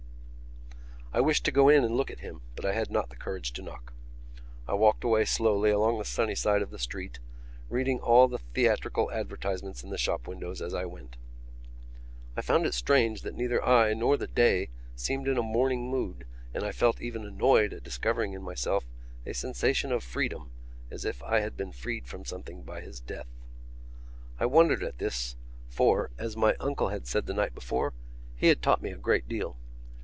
I wished to go in and look at him but I had not the courage to knock. I walked away slowly along the sunny side of the street, reading all the theatrical advertisements in the shop windows as I went. I found it strange that neither I nor the day seemed in a mourning mood and I felt even annoyed at discovering in myself a sensation of freedom as if I had been freed from something by his death. I wondered at this for, as my uncle had said the night before, he had taught me a great deal.